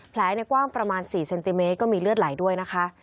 ในกว้างประมาณ๔เซนติเมตรก็มีเลือดไหลด้วยนะคะ